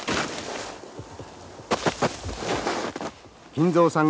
金蔵さん